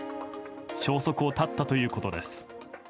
消息を絶ったということです。